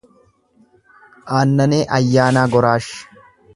Aannanee Ayyaanaa Goraash